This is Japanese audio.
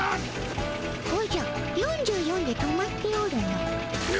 おじゃ４４で止まっておるの。